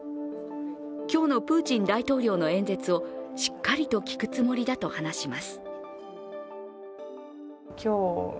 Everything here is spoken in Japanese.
今日のプーチン大統領の演説をしっかりと聞くつもりだと話します。